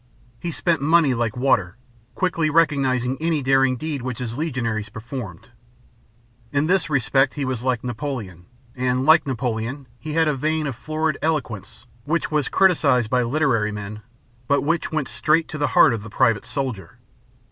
He spent money like water, quickly recognizing any daring deed which his legionaries performed. In this respect he was like Napoleon; and, like Napoleon, he had a vein of florid eloquence which was criticized by literary men, but which went straight to the heart of the private soldier.